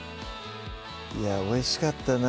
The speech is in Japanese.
いやぁおいしかったな